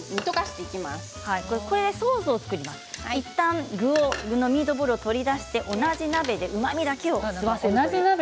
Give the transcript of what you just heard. いったんミートボールを取り出して同じ鍋でうまみだけを吸わせる。